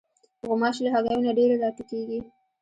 غوماشې له هګیو نه ډېرې راټوکېږي.